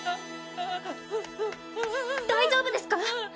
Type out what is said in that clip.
大丈夫ですか？